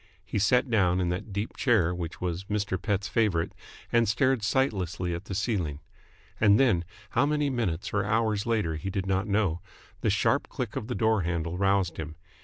He sat down in that deep chair which was Mr. Pett's favourite, and stared sightlessly at the ceiling. And then, how many minutes or hours later he did not know, the sharp click of the door handle roused him.